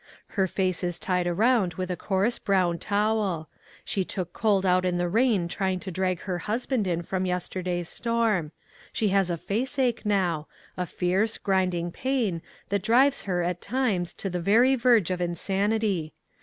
Her face is tied around with a coarse, brown towel. She took cold out in the ruin trying to drag her husband in from yesterday's storm ; she has faceache now — a fierce, grinding pain, that drives her at times to the very verge of insanity.